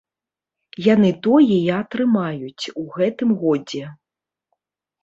Яны тое і атрымаюць у гэтым годзе.